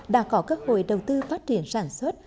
đã có cơ hội đầu tư phát triển sản xuất